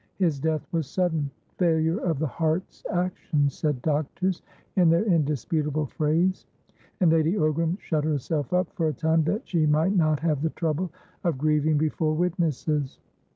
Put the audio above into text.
His death was sudden'failure of the heart's action,' said doctors, in their indisputable phraseand Lady Ogram shut herself up for a time that she might not have the trouble of grieving before witnesses.